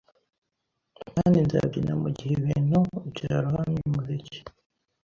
Kandi nzabyina mugihe ibintu byarohamye umuziki